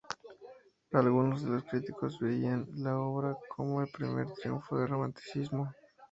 Algunos de los críticos veían la obra como el primer triunfo del Romanticismo.